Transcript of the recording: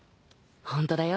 ホントだよ。